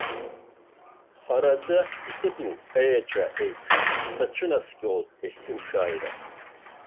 Хараӡа икыду аеҵәа еиԥш сацәынаскьоит есымшааира.